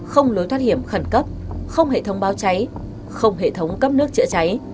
không lối thoát hiểm khẩn cấp không hệ thống báo cháy không hệ thống cấp nước chữa cháy